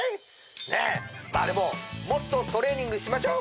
ねえもっとトレーニングしましょ！